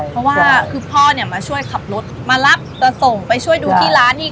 เพราะว่าคือพ่อเนี่ยมาช่วยขับรถมารับจะส่งไปช่วยดูที่ร้านนี่